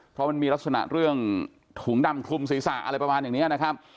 เพราะมันมีลักษณะเรื่องถุงดำคลุมศีรษะอะไรประมาณอย่างนี้นะครับ